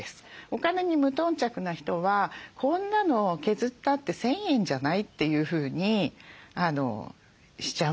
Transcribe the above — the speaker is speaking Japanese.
お金に無頓着な人は「こんなの削ったって１，０００円じゃない？」というふうにしちゃうんですね。